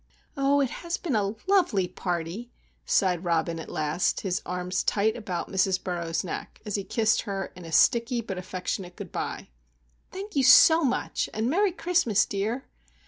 "Oh, it has been a love ly party," sighed Robin, at last, his arms tight about Mrs. Burroughs' neck, as he kissed her a sticky but affectionate good bye. "Thank you so much, and Merry Christmas, dear!"